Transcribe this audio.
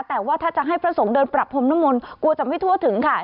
แต่ว่าถ้าจะให้พระสงฆ์เดินปรับพรมนมลกลัวจะไม่ทั่วถึงค่ะ